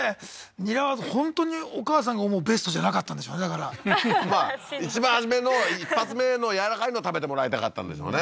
ニラは本当にお母さんが思うベストじゃなかったんでしょうねだからまあ一番初めの一発目の軟らかいの食べてもらいたかったんでしょうね